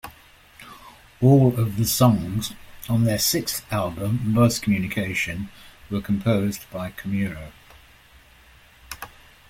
All of the songs on their sixth album "Buzz Communication" were composed by Komuro.